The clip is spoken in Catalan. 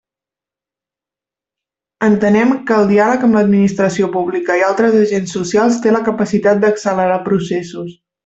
Entenem que el diàleg amb l'administració pública i altres agents socials té la capacitat d'accelerar processos.